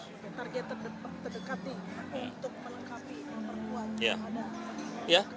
target terdekati untuk melengkapi keperluan yang ada